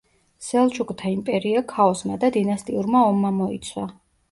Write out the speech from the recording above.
სელჩუკთა იმპერია ქაოსმა და დინასტიურმა ომმა მოიცვა.